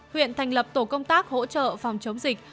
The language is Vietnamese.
huyện thành lập tổ công tác hỗ trợ phòng chống dịch